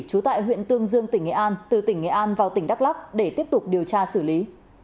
trú tại huyện tương dương tỉnh nghệ an từ tỉnh nghệ an vào tỉnh đắk lắc để tiếp tục điều tra xử lý